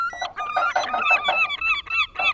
座花针茅为禾本科针茅属下的一个种。